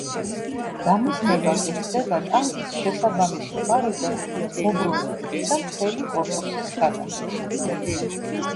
დამიზნება კი ხდება ტანკის შესაბამის მხარეზე მობრუნებით და მთელი კორპუსის გადახრით.